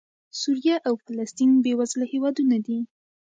سوریه او فلسطین بېوزله هېوادونه دي.